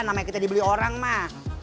namanya kita dibeli orang mah